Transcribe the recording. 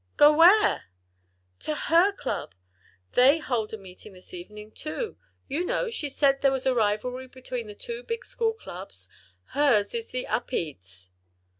"Go where?" "To her club. They hold a meeting this evening, too. You know, she said there was rivalry between the two big school clubs. Hers is the Upedes."